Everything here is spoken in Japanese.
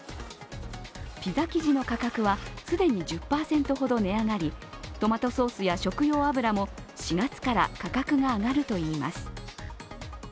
ピザ生地の価格は既に１０％ほど値上がりトマトソースや食用油も４月から価格が上がるといいます。